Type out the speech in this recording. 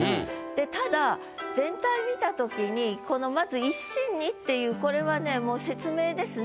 でただ全体見た時にこのまず「一心に」っていうこれはねもう説明ですね。